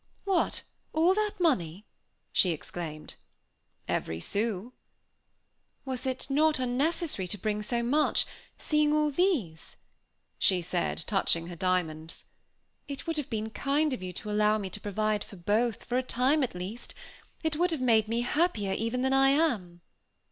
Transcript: "What! all that money?" she exclaimed. "Every sou." "Was it not unnecessary to bring so much, seeing all these?" she said, touching her diamonds. "It would have been kind of you to allow me to provide for both, for a time at least. It would have made me happier even than I am."